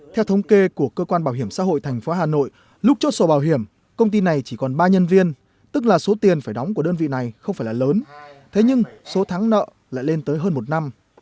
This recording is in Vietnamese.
theo thống kê của cơ quan bảo hiểm xã hội thành phố hà nội lúc chốt sổ bảo hiểm công ty này chỉ còn ba nhân viên tức là số tiền phải đóng của đơn vị này không phải là lớn thế nhưng số thắng nợ lại lên tới hơn một năm